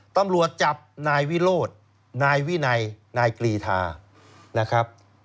ตำรวจจับนายวิโรธนายวินัยนายกรีธานะครับ